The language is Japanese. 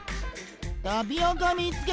タピオカみつけた！